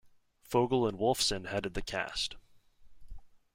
Fogel and Wolfson headed the cast.